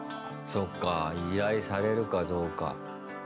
そっか、依頼されるかどうか。